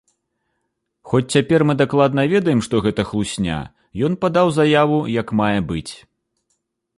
Хоць цяпер мы дакладна ведаем, што гэта хлусня, ён падаў заяву як мае быць.